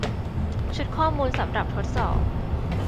ชุดข้อมูลสำหรับทดสอบ